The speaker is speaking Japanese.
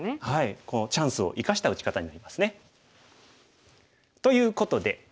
このチャンスを生かした打ち方になりますね。ということで。